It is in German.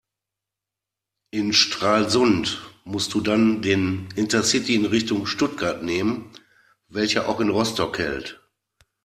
In Stralsund musst du dann den Intercity in Richtung Stuttgart nehmen, welcher auch in Rostock hält.